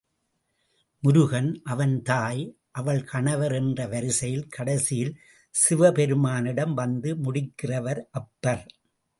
முருகன், அவன் தாய், அவள் கணவர் என்ற வரிசையில் கடைசியில் சிவபெருமானிடம் வந்து முடிக்கிறவர் அப்பர்.